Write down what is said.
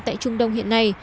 tại trung đông hiện nay